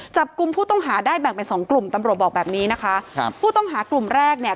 จับกลุ่มผู้ต้องหาได้แบ่งเป็นสองกลุ่มตำรวจบอกแบบนี้นะคะครับผู้ต้องหากลุ่มแรกเนี่ย